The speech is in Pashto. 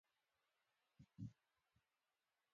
پيدائش او قام قبيلې باره کښې تر اوسه